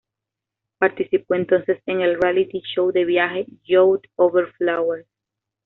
Participó entonces en el reality show de viaje "Youth Over Flowers".